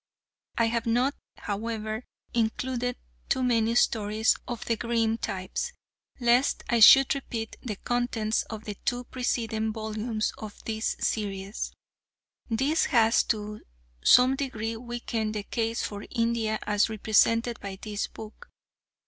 I have not, however, included too many stories of the Grimm types, lest I should repeat the contents of the two preceding volumes of this series. This has to some degree weakened the case for India as represented by this book.